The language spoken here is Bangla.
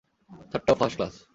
ছাদটাও ফাস্ট ক্লাস!